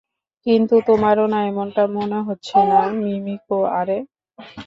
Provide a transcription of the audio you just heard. কিন্তু তোমারও এমনটা মনে হচ্ছে না, মিমিকো আরে!